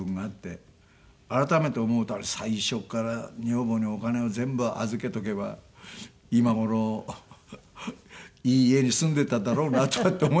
改めて思うとあれ最初から女房にお金を全部預けとけば今頃いい家に住んでただろうなとかって思いますよね。